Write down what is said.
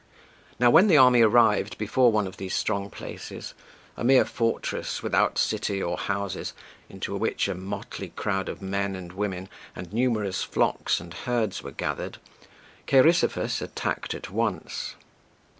Now when the army arrived before one of these strong places a mere fortress, without city or houses, into which a motley crowd of men and women and numerous flocks and herds were gathered Cheirisophus attacked at once.